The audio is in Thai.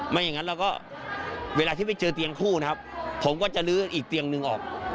ไม่อย่างนั้นเราก็เวลาที่ไปเจอเตียงคู่นะครับผมก็จะลื้ออีกเตียงหนึ่งออก